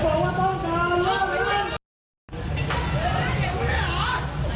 ขอบคุณภาพขอบคุณภาพขอบคุณภาพ